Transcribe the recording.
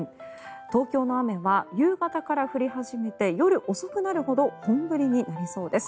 東京の雨は夕方から降り始めて夜遅くなるほど本降りになりそうです。